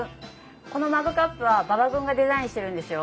このマグカップは馬場君がデザインしてるんですよ。